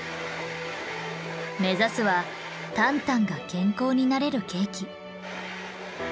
目指すはタンタンが健康になれるケーキ。